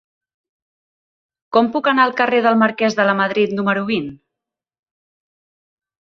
Com puc anar al carrer del Marquès de Lamadrid número vint?